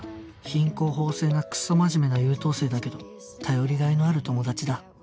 品行方正なクソ真面目な優等生だけど頼りがいのある友達だ